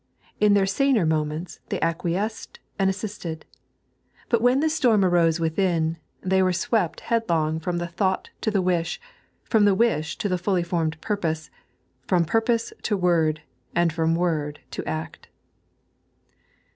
In their Bansr moments, they acquiesced and assisted. But when the storm arose within, they were swept headlong from the thought to the wish, from the wish to the fully formed purpose, from purpose to word, and from word to aot.